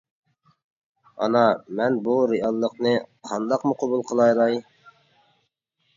ئانا، مەن بۇ رېئاللىقنى قانداقمۇ قوبۇل قىلالاي!